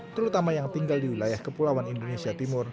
terutama yang tinggal di wilayah kepulauan indonesia timur